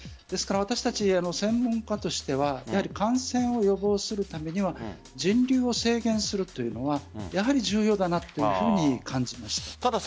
ですから私たち専門家としては感染を予防するためには人流を制限するというのはやはり重要だなと感じました。